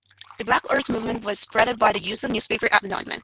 The Black Arts Movement was spread by the use of newspaper advertisements.